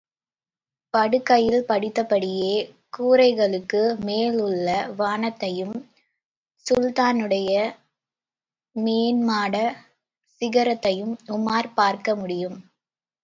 படுக்கையில் படுத்தபடியே, கூரைகளுக்கு மேல் உள்ள வானத்தையும், சுல்தானுடைய மேன்மாடச் சிகரத்தையும் உமார் பார்க்க முடியும்.